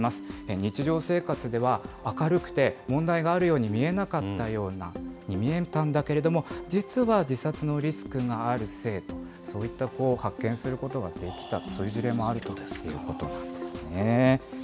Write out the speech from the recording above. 日常生活では明るくて、問題があるように見えなかったような、に見えたんだけれども、実は自殺のリスクがある生徒、そういった子を発見することができた、そういう事例もあるということなんですね。